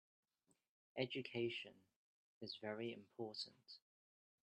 Education is very important.